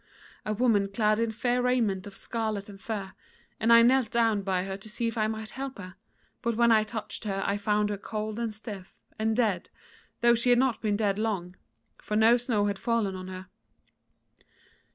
a woman clad in fair raiment of scarlet and fur, and I knelt down by her to see if I might help her; but when I touched her I found her cold and stiff, and dead, though she had not been dead long, for no snow had fallen on her.